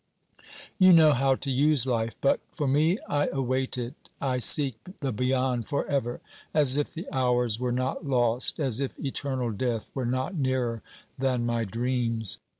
You know how to use life, but, for me, I await it. I seek the beyond for ever, as if the hours were not lost, as if eternal death were not nearer than my dreams.